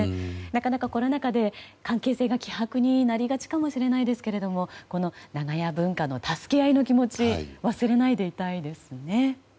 なかなか、コロナ禍で関係性が希薄になりがちかもしれませんが長屋文化の助け合いの気持ち忘れないでいたいですね。